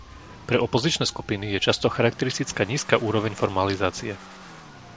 Pre opozičné skupiny je často charakteristická nízka úroveň formalizácie.